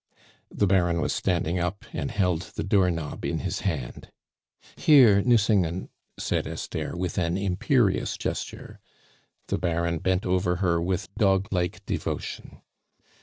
The Baron was standing up, and held the door knob in his hand. "Here, Nucingen," said Esther, with an imperious gesture. The Baron bent over her with dog like devotion.